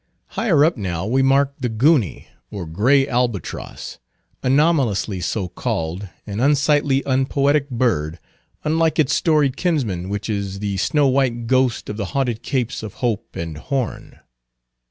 Higher up now we mark the gony, or gray albatross, anomalously so called, an unsightly unpoetic bird, unlike its storied kinsman, which is the snow white ghost of the haunted Capes of Hope and Horn.